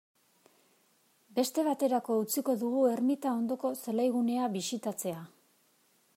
Beste baterako utziko dugu ermita ondoko zelaigunea bisitatzea.